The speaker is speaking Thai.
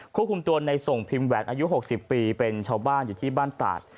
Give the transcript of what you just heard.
ควบคุมตัวในส่งพิมพ์แหวนอายุ๖๐ปีเป็นชาวบ้านอยู่ที่บ้านตาด